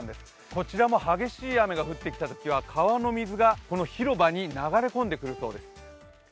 こちらも激しい雨が降ってきたときは、川の水が広場に流れ込んでくるそうです。